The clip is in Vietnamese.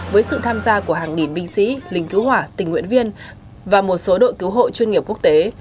với sự tham gia của hàng nghìn binh sĩ lính cứu hỏa tình nguyện viên và một số đội cứu hộ chuyên nghiệp quốc tế